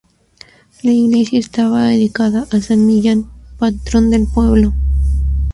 La iglesia estaba dedicada a San Millán, patrón del pueblo.